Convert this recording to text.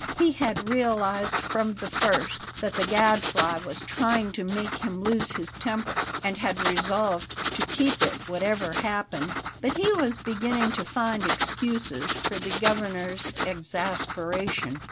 He had realized from the first that the Gadfly was trying to make him lose his temper, and had resolved to keep it whatever happened; but he was beginning to find excuses for the Governor's exasperation.